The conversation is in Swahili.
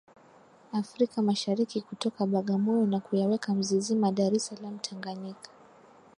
Afrika Mashariki Kutoka Bagamoyo na kuyaweka mzizima Dar es Salaam tanganyika